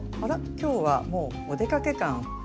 今日はもうお出かけ感満載で。